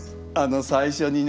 最初にね